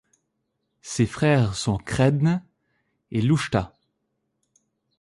Ses frères sont Credne et Luchta.